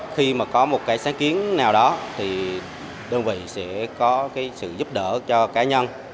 khi mà có một cái sáng kiến nào đó thì đơn vị sẽ có cái sự giúp đỡ cho cá nhân